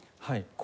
はい。